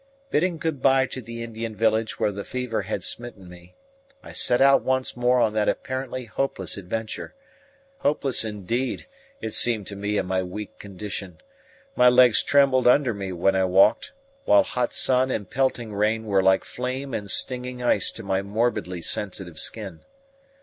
Bidding good bye to the Indian village where the fever had smitten me, I set out once more on that apparently hopeless adventure. Hopeless, indeed, it seemed to one in my weak condition. My legs trembled under me when I walked, while hot sun and pelting rain were like flame and stinging ice to my morbidly sensitive skin.